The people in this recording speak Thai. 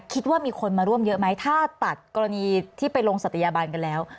คิดว่ามีคนมาร่วมเยอะไหมถ้าตัดกรณีที่ไปลงศัตยาบันกันแล้ว